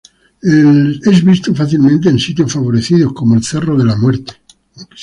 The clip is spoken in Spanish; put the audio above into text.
Es visto fácilmente en sitios favorecidos como el cerro de la Muerte.